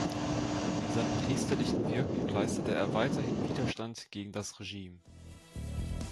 In seinem priesterlichen Wirken leistete er weiterhin Widerstand gegen das Regime.